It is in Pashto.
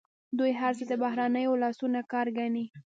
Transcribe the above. دوی هر څه د بهرنیو لاسونو کار ګڼي.